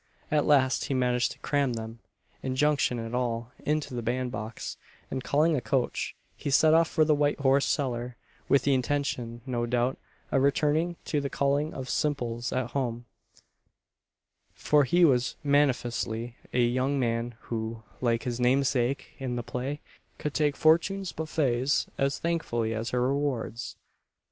At last he managed to cram them, injunction and all, into the band box; and, calling a coach, he set off for the White Horse Cellar, with the intention, no doubt, of returning to the culling of simples at home for he was manifestly a young man who, like his namesake in the play, could take Fortune's buffets as thankfully as her rewards.